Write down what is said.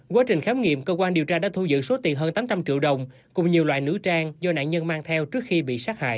quá trình khám nghiệm cơ quan điều tra đã thu giữ số tiền hơn tám trăm linh triệu đồng cùng nhiều loại nữ trang do nạn nhân mang theo trước khi bị sát hại